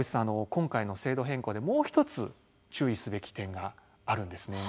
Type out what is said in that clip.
今回の制度変更で、もう１つ注意すべき点があるんですね。